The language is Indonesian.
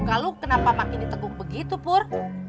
buka lo kenapa makin teguk begitu pur